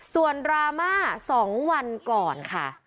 ส่วนดราม่า๒วันก่อนค่ะ